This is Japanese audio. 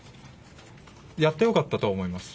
やってよかったとは思います。